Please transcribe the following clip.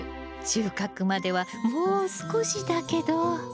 収穫まではもう少しだけど。